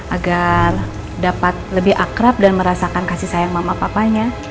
agar dapat lebih akrab dan merasakan kasih sayang mama papanya